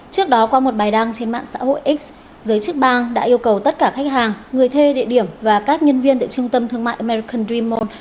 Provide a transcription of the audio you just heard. trước đó qua một bài đăng trên mạng xã hội x giới chức bang đã yêu cầu tất cả khách hàng người thê địa điểm và các nhân viên tại trung tâm thương mại american dream mall